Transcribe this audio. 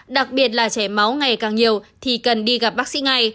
đặc biệt là chảy máu ngày càng nhiều thì cần đi gặp bác sĩ ngay